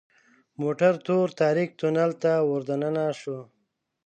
موټر تور تاریک تونل ته وردننه شو .